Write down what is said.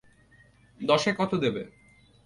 দশে কত দেবে?